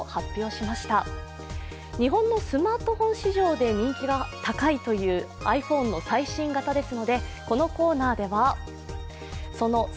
日本のスマートフォン市場で人気が高いというｉＰｈｏｎｅの最新型です。